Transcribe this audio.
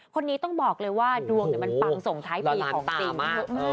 คนนี้ต้องบอกเลยว่าดวงมันปังส่งท้ายปีของจริง